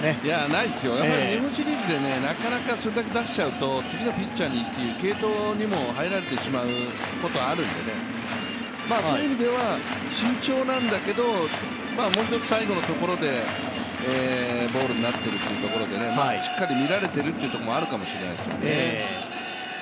ないですよね、日本シリーズでなかなかそれだけ出しちゃうと次のピッチャーに継投にも入られてしまうこともあるので、慎重なんだけど、もう一つ最後のところでボールになっているところでしっかり見られているというところもあるかもしれないですね。